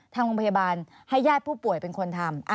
ทางโรงพยาบาลให้ญาติผู้ป่วยเป็นคนทำ